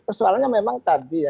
pesualanya memang tadi ya